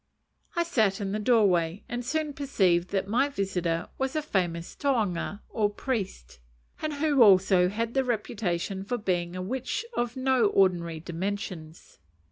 I sat in the doorway, and soon perceived that my visitor was a famous tohunga, or priest, and who also had the reputation of being a witch of no ordinary dimensions.